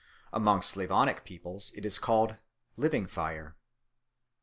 Among Slavonic peoples it is called "living fire."